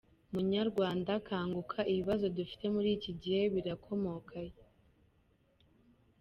Munyarwanda kanguka, ibibazo dufite muri iki gihe birakomoka he ?